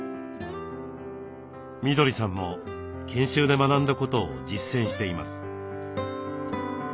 みどりさんも研修で学んだことを実践しています。